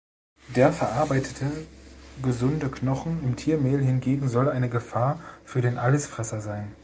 Der verarbeitete gesunde Knochen im Tiermehl hingegen soll eine Gefahr für den Allesfresser sein.